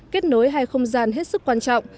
kết nối hai không gian hết sức quan trọng